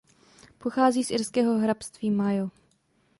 Pochází z irského hrabství Mayo.